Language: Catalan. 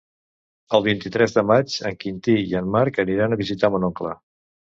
El vint-i-tres de maig en Quintí i en Marc aniran a visitar mon oncle.